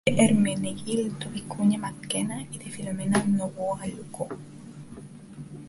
Hijo de Hermenegildo Vicuña Mackenna y de Filomena Novoa Luco.